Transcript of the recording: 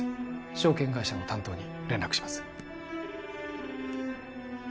証券会社の担当に連絡します